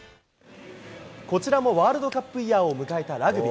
こちらもワールドカップイヤーを迎えたラグビー。